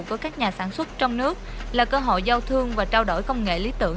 của các nhà sản xuất trong nước là cơ hội giao thương và trao đổi công nghệ lý tưởng